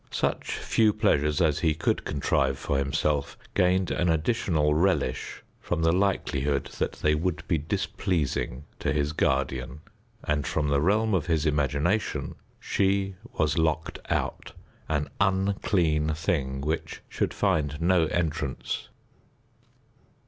Such few pleasures as he could contrive for himself gained an added relish from the likelihood that they would be displeasing to his guardian, and from the realm of his imagination she was locked out an unclean thing, which should find no entrance.